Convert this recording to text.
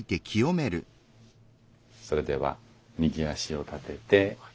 それでは右足を立てて。